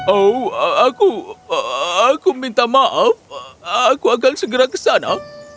oh aku aku minta maaf aku akan segera ke sana